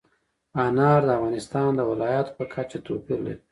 انار د افغانستان د ولایاتو په کچه توپیر لري.